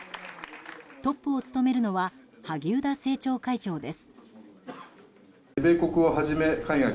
トップを務めるのは萩生田政調会長です。